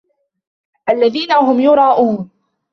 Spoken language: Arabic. الَّذينَ هُم يُراءونَ